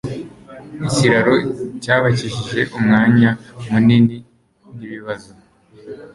Ikiraro cyabakijije umwanya munini nibibazo.